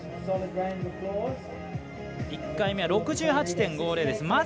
１回目は６８．５０です。